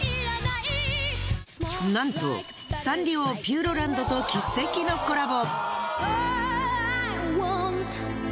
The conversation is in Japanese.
なんとサンリオピューロランドと奇跡のコラボ。